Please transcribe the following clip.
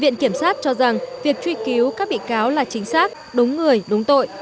viện kiểm sát cho rằng việc truy cứu các bị cáo là chính xác đúng người đúng tội